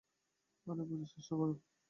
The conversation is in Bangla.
আরে, বুঝার চেষ্টা করো।